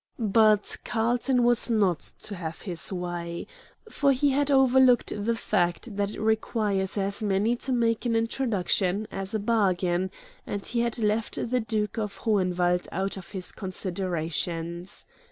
But Carlton was not to have his way; for he had overlooked the fact that it requires as many to make an introduction as a bargain, and he had left the Duke of Hohenwald out of his considerations.